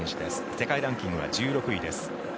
世界ランキングは１６位です。